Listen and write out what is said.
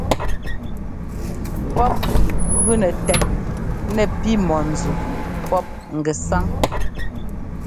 Pɔ́p gʉnɛ tɛt nɛ pi mɔ̂nzu pɔ́p ŋgɛsáŋ.